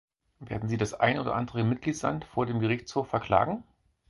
Werden Sie das eine oder andere Mitgliedsland vor dem Gerichtshof verklagen?